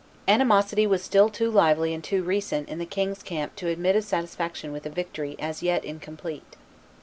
Animosity was still too lively and too recent in the king's camp to admit of satisfaction with a victory as yet incomplete.